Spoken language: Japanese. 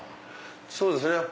そうですね。